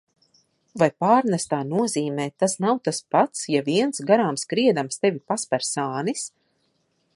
Vai pārnestā nozīmē tas nav tas pats, ja viens, garām skriedams, tevi pasper sānis?